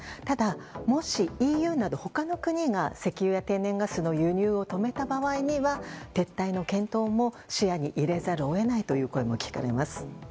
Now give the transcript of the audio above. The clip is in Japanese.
ただ、もしＥＵなど他の国が石油や天然ガスの輸入を止めた場合には撤退の検討も視野に入れざるを得ないという声も聞かれます。